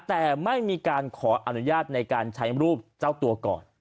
แต่ไม่มีการขออนุญาตในการใช้รูปเจ้าตัวก่อน